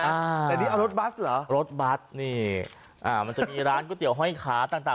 อ่าแต่นี่เอารถบัสเหรอรถบัสนี่อ่ามันจะมีร้านก๋วยเตี๋ห้อยขาต่างต่าง